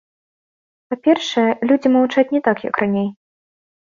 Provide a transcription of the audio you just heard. Па-першае, людзі маўчаць, не так, як раней.